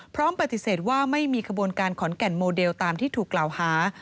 พร้อมปฏิเสธว่าไม่มีขบวนการขอนแก่นโมเดลตามที่ถูกกล่าวหา